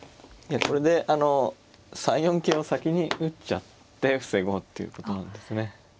これで３四桂を先に打っちゃって防ごうっていうことなんですね。